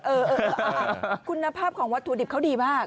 เออคุณภาพของวัตถุดิบเขาดีมาก